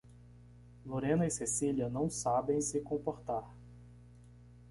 Lorena e Cecília não sabem se comportar.